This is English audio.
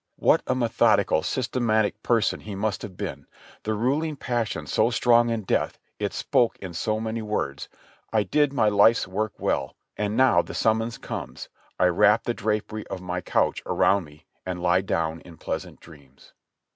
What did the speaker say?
What a methodical, sys tematic person he must have been ;. the ruling passion so strong in death, it spoke in so many words, "I did my life's work well, and now the summons comes, I wrap the drapery of my couch around me and lie down to pleasant dreams."